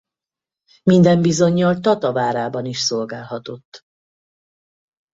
Minden bizonnyal Tata várában is szolgálhatott.